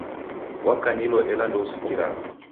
Wakanilo ela ndousikiragha.